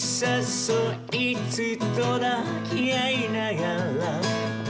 「そいつと抱き合いながら」